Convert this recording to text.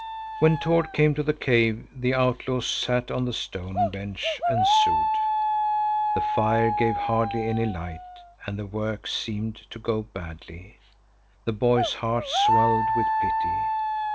When Tord came to the cave, the outlaw sat on the stone bench and sewed. The fire gave hardly any light, and the work seemed to go badly. The boy's heart swelled with pity.